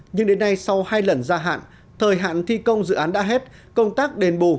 nhưng đến nay sau hai lần gia hạn thời hạn thi công dự án đã hết công tác đền bù